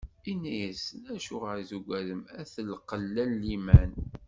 Inna-asen: Acuɣer i tugadem, ay at lqella n liman?